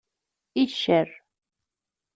Iccer.